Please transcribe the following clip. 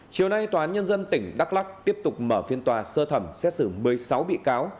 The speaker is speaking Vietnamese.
chiều nay tòa án nhân dân tỉnh đắk lắc tiếp tục mở phiên tòa sơ thẩm xét xử một mươi sáu bị cáo